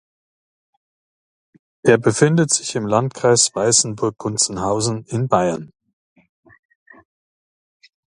Er befindet sich im Landkreis Weißenburg-Gunzenhausen in Bayern.